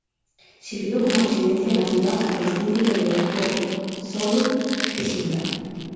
Sirvió como residencia en la ciudad para los príncipes de Hohenzollern-Hechingen.